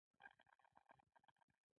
خوب د ذهن لګیاوي کموي